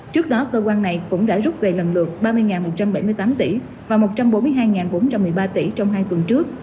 trước đó cơ quan này cũng đã rút về lần lượt ba mươi một trăm bảy mươi tám tỷ và một trăm bốn mươi hai bốn trăm một mươi ba tỷ trong hai tuần trước